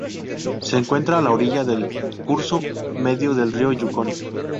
Se encuentra a la orilla del curso medio del río Yukón.